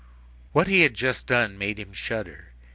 What he had just done made him shudder.